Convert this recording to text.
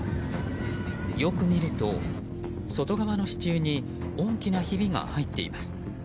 よく見ると、外側の支柱に大きなひびが入っています。